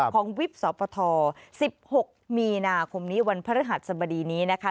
ของวิบสอบประทอ๑๖มีนาคมนี้วันพฤหัสสมดีนี้นะคะ